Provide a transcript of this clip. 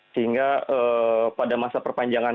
sehingga pada masa perpanjangan